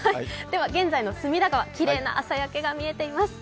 現在の隅田川きれいな朝焼けが見えています。